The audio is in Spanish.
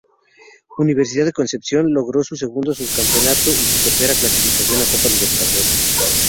Universidad de Concepción logró su segundo subcampeonato y su tercera clasificación a Copa Libertadores.